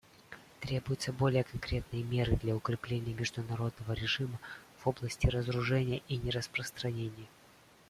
Требуются более конкретные меры для укрепления международного режима в области разоружения и нераспространения.